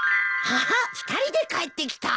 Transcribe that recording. あっ２人で帰ってきた！